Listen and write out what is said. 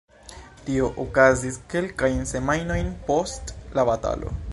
Tio okazis kelkajn semajnojn post la batalo.